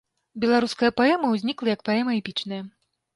Беларуская паэма ўзнікла як паэма эпічная.